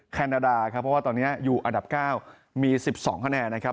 แคนดาดาครับเพราะว่าตัวเนี้ยอยู่อันดับเก้ามีสิบสองคะแนนนะครับ